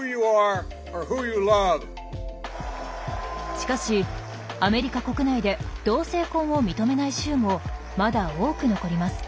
しかしアメリカ国内で同性婚を認めない州もまだ多く残ります。